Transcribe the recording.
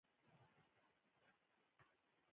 د پښتو په زاړه او نوي غزل کې ټولو شاعرانو کار اخیستی.